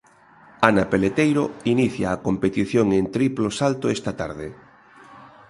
Ana Peleteiro inicia a competición en triplo salto esta tarde.